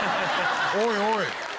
「おいおい！」